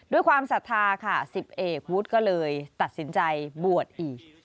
ด้วยความสัทธาศิษฐกวุฒิก็เลยตัดสินใจบวชอีก